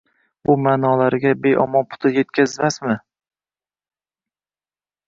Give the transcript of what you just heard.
Bu ma’nolariga beomon putur yetkazmasmi?